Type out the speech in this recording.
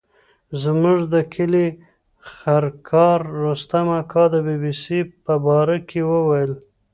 زموږ د کلي خرکار رستم اکا د بي بي سي په باره کې ویل.